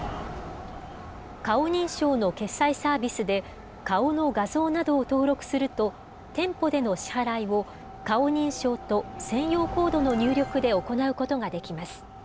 顔認証の決済サービスで、顔の画像などを登録すると、店舗での支払いを、顔認証と専用コードの入力で行うことができます。